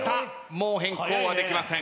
もう変更はできません。